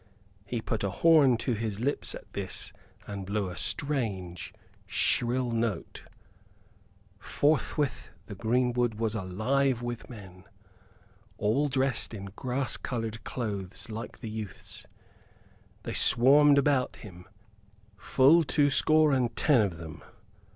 He put a horn to his lips at this and blew a strange, shrill note. Forthwith the greenwood was alive with men, all dressed in grass colored clothes like the youth's. They swarmed about him, full two score and ten of them.